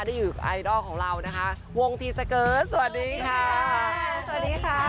ที่อยู่ไอดอลของเรานะคะวงทีสเกิร์สสวัสดีค่ะสวัสดีค่ะ